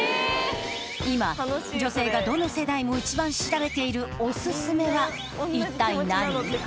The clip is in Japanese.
今女性がどの世代も一番調べているオススメは一体何？